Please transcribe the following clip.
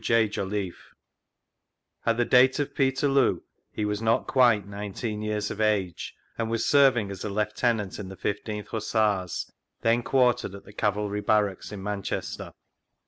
J. Jolliffe. 'At the data of Peiterloo he was not quite nineteen years of age, and mas serving' as a Lieutenant in the 15th Hussars, then quartered at the Cavalry Barracks at Manchester.